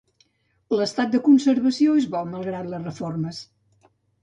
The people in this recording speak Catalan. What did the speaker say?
L'estat de conservació és bo malgrat les reformes.